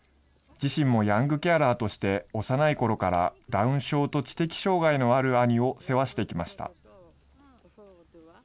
自身もヤングケアラーとして、幼いころからダウン症と知的障害のある兄を世話してきました。